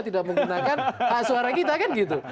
tidak menggunakan hak suara kita kan gitu